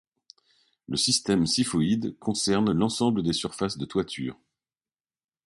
Le système siphoïde concerne l'ensemble des surfaces de toiture.